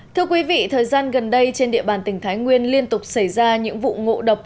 thưa quý vị thời gian gần đây trên địa bàn tỉnh thái nguyên liên tục xảy ra những vụ ngộ độc